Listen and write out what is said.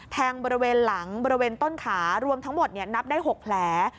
แทงบริเวณหลังบริเวณต้นขารวมทั้งหมดนับได้๖แผล